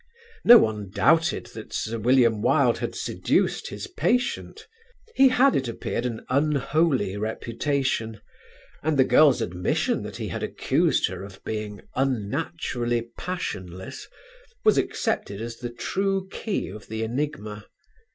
No one doubted that Sir William Wilde had seduced his patient. He had, it appeared, an unholy reputation, and the girl's admission that he had accused her of being "unnaturally passionless" was accepted as the true key of the enigma.